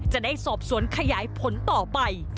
จะได้สอบสวนขยายผลต่อไป